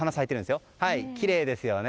きれいですよね。